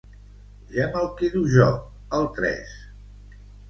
Ja me'l quedo jo, el tres.